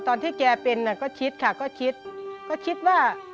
ตอนที่แจเป็นก็คิดค่ะคิดว่า